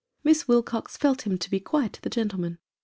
Miss Wilcox felt him to be "quite the gentle man."